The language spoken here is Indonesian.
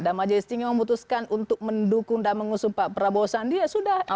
dan majelis tinggi memutuskan untuk mendukung dan mengusung pak prabowo sandi ya sudah